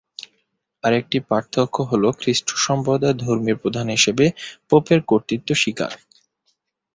আর একটি পার্থক্য হল খ্রিস্ট সম্প্রদায়ের ধর্মীয় প্রধান হিসেবে পোপের কর্তৃত্ব স্বীকার।